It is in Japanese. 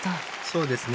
そうですね。